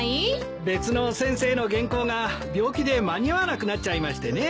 別の先生の原稿が病気で間に合わなくなっちゃいましてね。